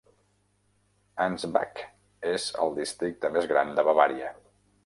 Ansbach és el districte més gran de Bavaria.